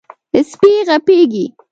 سپي غپېږي.